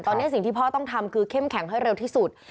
ตอนนี้สิ่งที่พ่อต้องทำคือเข้มแข็งให้เร็วที่สุด